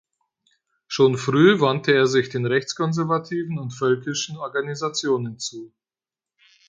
Schon früh wandte er sich den rechtskonservativen und völkischen Organisationen zu.